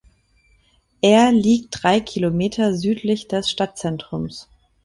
Er liegt drei Kilometer südlich des Stadtzentrums.